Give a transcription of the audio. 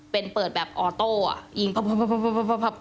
เป็นเปิดแบบออโต้อ่ะยิงพับ